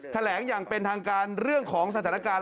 แถลงอย่างเป็นทางการเรื่องของสถานการณ์